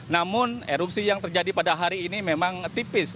namun erupsi yang terjadi pada hari ini memang tipis